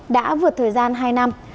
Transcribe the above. đã vượt thời gian hai năm